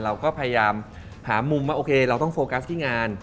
เราก็พยายามหามุมว่าโอเคเราต้องโฟกัสที่งาน